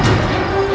jangan bunuh saya